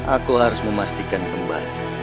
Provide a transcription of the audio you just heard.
aku harus memastikan kembali